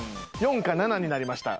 ４か７になりました。